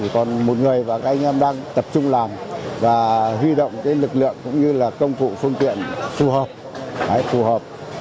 còn một người và các anh em đang tập trung làm và huy động lực lượng cũng như công cụ phương tiện phù hợp